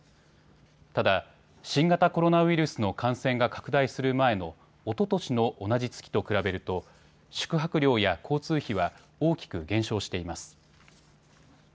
ただ、新型コロナウイルスの感染が拡大する前のおととしの同じ月と比べると宿泊料や交通費は大きく減少しています。